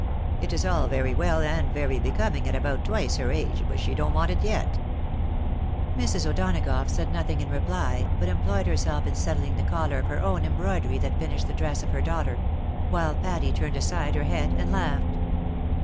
It is all very well, and very becoming at about twice her age — but she don't want it yet." Mrs. O'Donagough said nothing in reply, but employed her self in settling the collar of her own embroidery that finished the dress of her daughter — while Patty turned aside her head and laughed.